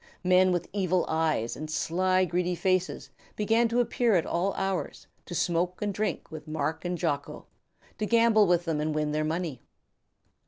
Men with evil eyes and sly greedy faces began to appear at all hours, to smoke and drink with Marc and Jocko, to gamble with them and win their money.